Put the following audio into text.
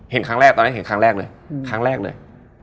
เห็นครั้งแรกตอนนี้เห็นครั้งแรกเลยครั้งแรกเลย